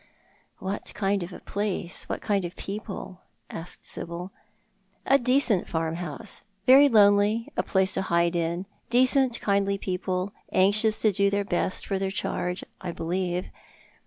" What kind of a place— what kind of people ?" asked Sibyl. "A decent farmhouse; very lonely, a place to hide in decent kindly people, anxious to do their best for their charge, I believe.